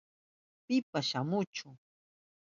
Pipas shamuchu.